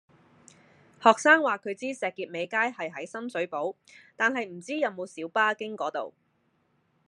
學生話佢知石硤尾街係喺深水埗，但係唔知有冇小巴經嗰度